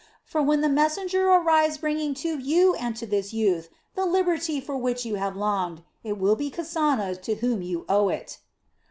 For when the messenger arrives bringing to you and to this youth the liberty for which you have longed, it will be Kasana to whom you owe it."